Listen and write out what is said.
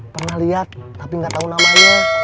pernah liat tapi gak tau namanya